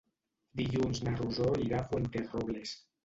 Dilluns na Rosó irà a Fuenterrobles.